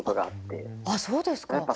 あっそうですか。